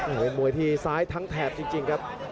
มือยทีทรายทั้งแถบจริงครับ